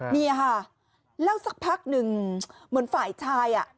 เนี่ยค่ะเล่าสักพักหนึ่งเหมือนฝ่ายชายอ่ะ